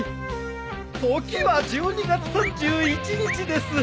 時は１２月３１日です。